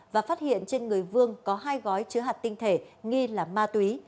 và phát hiện trên người vương có hai gói chứa hạt tinh thể nghi là ma túy